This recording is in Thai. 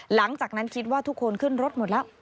หลังจากนั้นคิดว่าทุกคนขึ้นรถหมดแล้ว